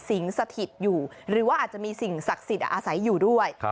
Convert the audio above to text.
สถิตอยู่หรือว่าอาจจะมีสิ่งศักดิ์สิทธิ์อาศัยอยู่ด้วย